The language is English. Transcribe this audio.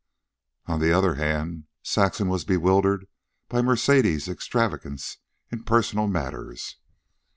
On the other hand, Saxon was bewildered by Mercedes' extravagance in personal matters.